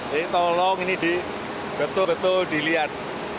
jadi tolong ini betul betul dilihat